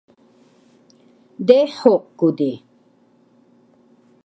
Dehuk ku di